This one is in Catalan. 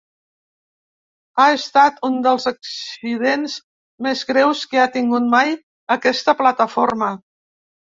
Ha estat un dels accidents més greus que ha tingut mai aquesta plataforma.